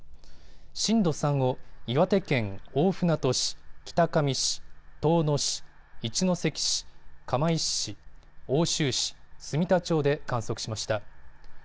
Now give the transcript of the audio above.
震度３を岩手県大船渡市、北上市、遠野市、一関市、釜石市、奥州市、住田町で観測しました。